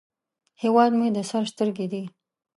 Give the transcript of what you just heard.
هیواد مې د سر سترګې دي